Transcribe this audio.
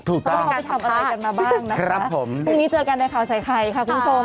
ถูกต้องครับครับผมพรุ่งนี้เจอกันในข่าวใส่ไข่ครับคุณผู้ชม